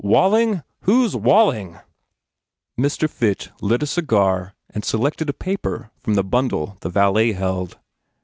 Walling? Who s Walling ?" Mr. Fitch lit a cigar and selected a paper from the bundle the valet held.